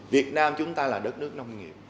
việt nam chúng ta là đất nước nông nghiệp